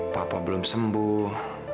papa belum sembuh